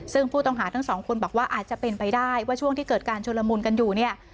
ซึ่งผู้ต้องหาทั้งสองคนบอกว่าอาจจะเป็นไปได้ว่าช่วงที่เกิดการชุลมุนกันอยู่เนี่ย